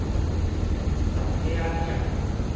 雜貨仔店